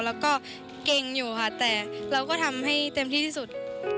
แล้วก็เก่งอยู่ค่ะแต่เราก็ทำให้เต็มที่ที่สุด